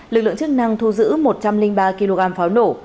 lực lượng chức năng thu giữ một trăm linh ba kg pháo nổ